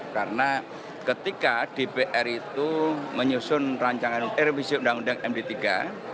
karena ketika dpr itu menyusun rancangan revisi undang undang md iii